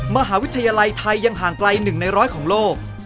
มหาวิทยาลัยไทยยังห่างไกล๑ใน๑๐๐ของโลก